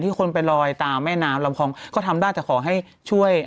คนไปลอยตามแม่น้ำลำพองก็ทำได้แต่ขอให้ช่วย